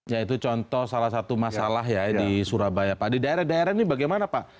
ya itu contoh salah satu masalah ya di surabaya pak di daerah daerah ini bagaimana pak